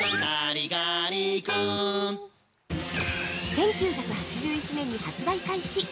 ◆１９８１年に発売開始。